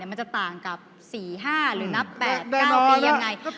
มันจะต่างกับ๔๕หรือนับ๘๙ปียังไง